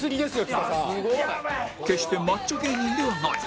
決してマッチョ芸人ではない